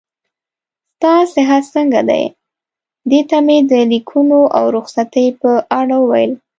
ستا صحت څنګه دی؟ دې ته مې د لیکونو او رخصتۍ په اړه وویل.